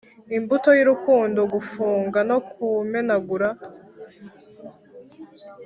imbuto y'urukundo gufunga no kumenagura,